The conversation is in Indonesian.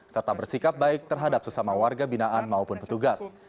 serta bersikap baik terhadap sesama warga binaan maupun petugas